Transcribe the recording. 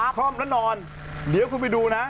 คล่อมแล้วนอนเดี๋ยวคุณไปดูนะ